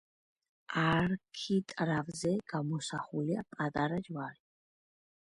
არქიტრავზე გამოსახულია პატარა ჯვარი.